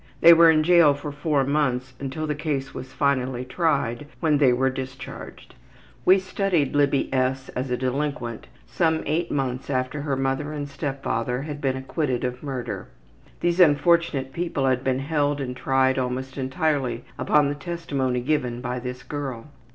They were in jail for four months until the case was finally tried, when they were discharged. We studied Libby S. as a delinquent some eight months after her mother and step father had been acquitted of murder. These unfortunate people had been held and tried almost entirely upon the testimony given by this girl.